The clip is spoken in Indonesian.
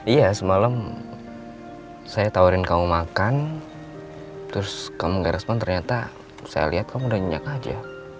iya semalam saya tawarin kamu makan terus kamu gak respon ternyata saya lihat kamu udah nyenyak aja